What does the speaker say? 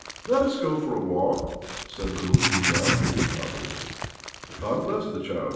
" Let us go for a walk," said little Ilya to his mother. " God bless the child